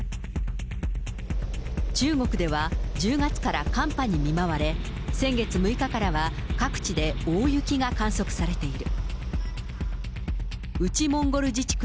中国では１０月から寒波に見舞われ、先月６日からは、各地で大雪が観測されている。